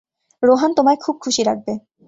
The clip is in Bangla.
রোহান তোমায় খুব খুশি রাখবে।